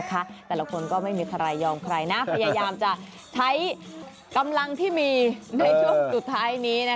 แต่ละคนก็ไม่มีใครยอมใครนะพยายามจะใช้กำลังที่มีในช่วงสุดท้ายนี้